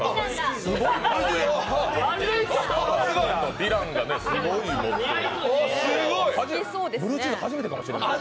ヴィランがものすごい興味漏ってる。